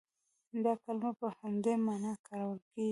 دا کلمه په همدې معنا کارول کېږي.